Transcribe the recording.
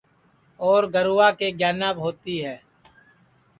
اور گَروا کے گیاناپ ہوتی ہے